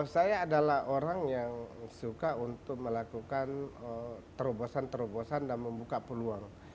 saya adalah orang yang suka untuk melakukan terobosan terobosan dan membuka peluang